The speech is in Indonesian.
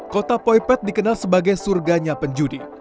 kota poipet dikenal sebagai surganya penjudi